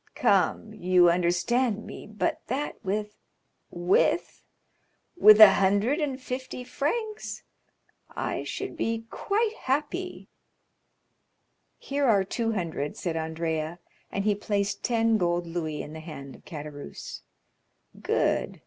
"Come—you understand me; but that with——" "With?" "With a hundred and fifty francs I should be quite happy." "Here are two hundred," said Andrea; and he placed ten gold louis in the hand of Caderousse. 30233m "Good!"